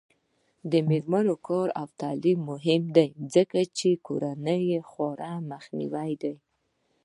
د میرمنو کار او تعلیم مهم دی ځکه چې کورنۍ خوارۍ مخنیوی دی.